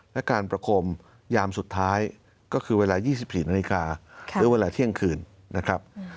และการประคมยามสุดท้ายก็คือเวลา๒๔นาฬิกาหรือเวลาเที่ยงคืนนะครับ